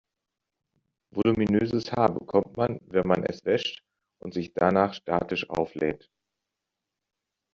Voluminöses Haar bekommt man, wenn man es wäscht und sich danach statisch auflädt.